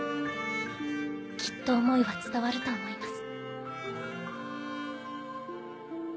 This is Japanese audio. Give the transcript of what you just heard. きっと思いは伝わると思います。